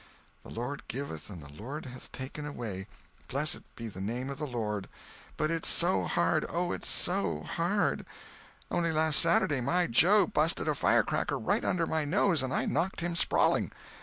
"The Lord giveth and the Lord hath taken away—Blessed be the name of the Lord! But it's so hard—Oh, it's so hard! Only last Saturday my Joe busted a firecracker right under my nose and I knocked him sprawling.